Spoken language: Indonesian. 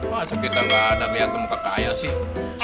masa kita gak ada pihak yang bangkat kaya sih